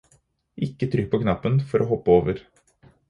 Ikke trykk på knappen for å hoppe over.